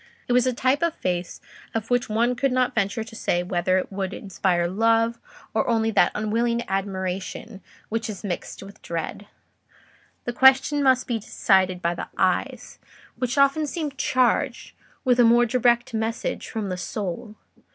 It was a type of face of which one could not venture to say whether it would inspire love or only that unwilling admiration which is mixed with dread: the question must be decided by the eyes, which often seem charged with a more direct message from the soul.